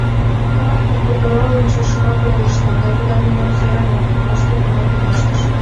Коротков прокурорлан шошымак ойлышна, да тудат нимом сӧрен огыл, воштыл гына пелештыш: